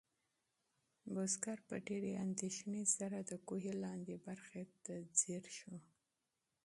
بزګر په ډېرې اندېښنې سره د کوهي لاندې برخې ته ځیر شو.